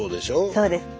そうです。